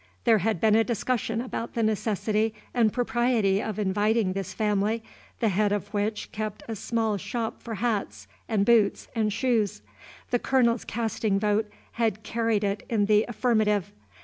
There had been a discussion about the necessity and propriety of inviting this family, the head of which kept a small shop for hats and boots and shoes. The Colonel's casting vote had carried it in the affirmative.